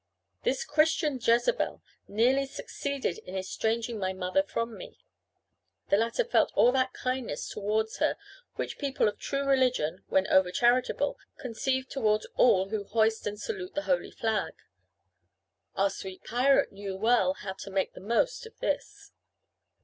This Christian Jezebel nearly succeeded in estranging my mother from me. The latter felt all that kindness towards her which people of true religion, when over charitable, conceive towards all who hoist and salute the holy flag. Our sweet pirate knew well how to make the most of this.